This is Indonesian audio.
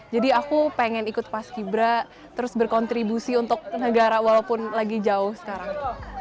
jadi aku pengen ikut pas kibra terus berkontribusi untuk negara walaupun lagi jauh sekarang